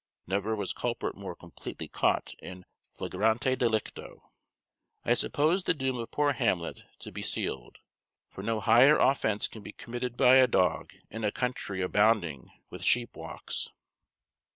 Never was culprit more completely caught in flagrante delicto. I supposed the doom of poor Hamlet to be sealed; for no higher offence can be committed by a dog in a country abounding with sheep walks.